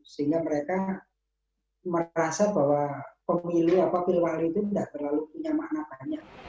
sehingga mereka merasa bahwa pemilih atau pilih wakil itu tidak terlalu punya manatanya